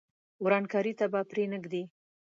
ورانکاري ته به پرې نه ږدي.